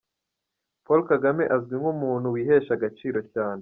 Paul Kagame azwi nk’umuntuÂ wihesha agaciro cyane.